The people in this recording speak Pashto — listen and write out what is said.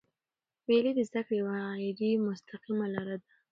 مېلې د زدهکړي یوه غیري مستقیمه لاره ده.